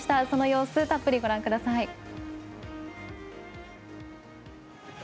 その様子、たっぷりご覧ください。